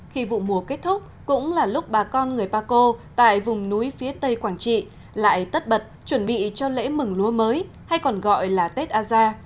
khi vụ mùa kết thúc cũng là lúc bà con người paco tại vùng núi phía tây quảng trị lại tất bật chuẩn bị cho lễ mừng lúa mới hay còn gọi là tết aza